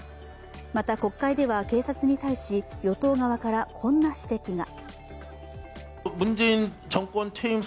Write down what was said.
また国会では警察に対し与党側からこんな指摘が。